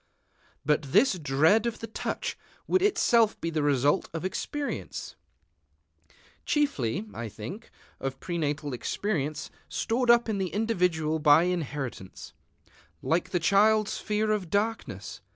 But this dread of the touch would itself be the result of experience, chiefly, I think, of prenatal experience stored up in the individual by inheritance, like the child's fear of darkness.